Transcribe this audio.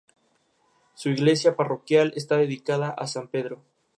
Estos fueron producidos y escritos por ella misma y Paul Barry y Mark Taylor.